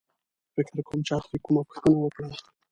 فکر کوم چا ترې کومه پوښتنه وکړه.